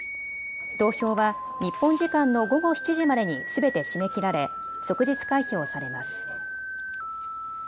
投票は日本時間の午後７時までにすべて締め切られ即日開票されます。